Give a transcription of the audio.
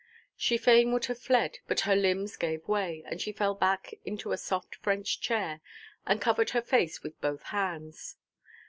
She fain would have fled, but her limbs gave way, and she fell back into a soft French chair, and covered her face with both hands.